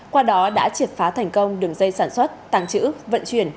qua đó đã triệt phá thành công đường dây sản xuất tàng trữ vận chuyển